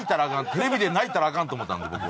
テレビで泣いたらあかんと思ったんで僕は。